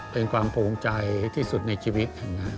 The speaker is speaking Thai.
เป็นความภูมิใจที่สุดในชีวิต